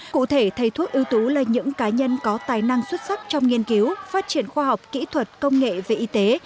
cụ thể thầy thuốc ưu tú là những cá nhân có tài năng xuất sắc trong nghiên cứu phát triển khoa học kỹ thuật công nghệ về y tế